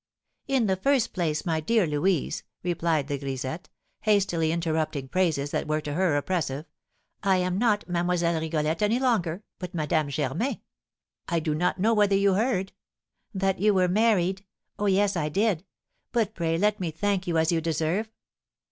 "In the first place, my dear Louise," replied the grisette, hastily interrupting praises that were to her oppressive, "I am not Mlle. Rigolette any longer, but Madame Germain. I do not know whether you heard " "That you were married? Oh, yes, I did. But pray let me thank you as you deserve."